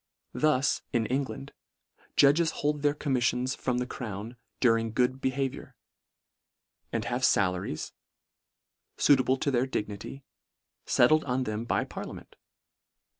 Thus, in England, judges hold their commiflions from the crown " during " good behaviour ;" and have falaries, Suit able to their dignity, fettled on them by parliament.